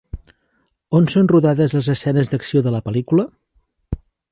On són rodades les escenes d'acció de la pel·lícula?